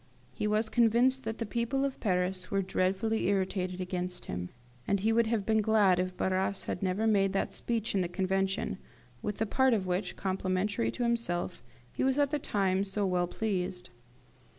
He was convinced that the people of Paris were dreadfully irritated against him, and he would have been glad if Barras had never made that Speech in the Convention, with the part of which, complimentary to himself, he was at the time so well pleased.